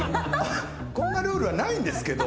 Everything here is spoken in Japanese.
こんなルールはないんですけど。